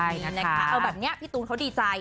เอาแบบเนี่ยพี่ตูนเขาดีใจ